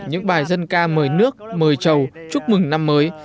những bài dân ca mời nước mời chầu chúc mừng năm mới